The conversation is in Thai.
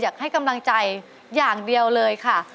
อยากให้กำลังใจอย่างเดียวเลยค่ะ